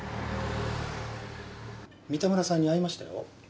三田村さんに会いましたよ。